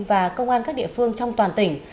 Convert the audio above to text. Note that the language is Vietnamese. và công an các địa phương trong toàn tỉnh